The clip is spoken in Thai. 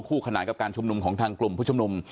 ผู้ขนาดกับการชุมนุมของกรุมผู้ชุมนุม